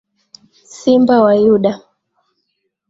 Simba wa yuda.